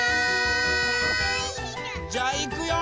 じゃあいくよ。